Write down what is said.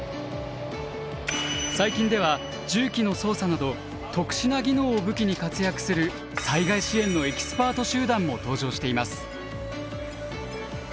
最近では重機の操作など特殊な技能を武器に活躍する災害支援のエキスパート集団も登場しています。